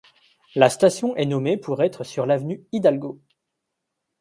La station est nommé pour être situé sur l'avenue Hidalgo.